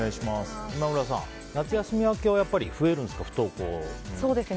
今村さん、夏休み明けは増えるんですか、不登校の子供が。